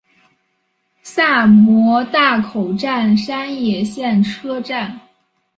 萨摩大口站山野线车站。